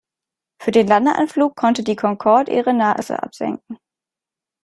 Für den Landeanflug konnte die Concorde ihre Nase absenken.